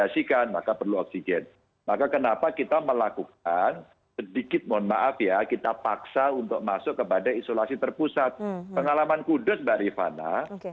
selamat sore mbak rifana